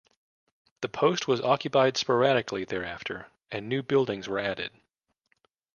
The post was occupied sporadically thereafter and new buildings were added.